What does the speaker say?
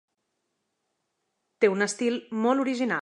Té un estil molt original.